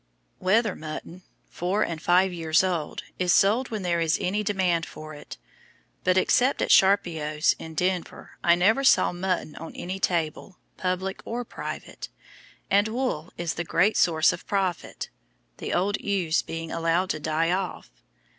Wether mutton, four and five years old, is sold when there is any demand for it; but except at Charpiot's, in Denver, I never saw mutton on any table, public or private, and wool is the great source of profit, the old ewes being allowed to die off.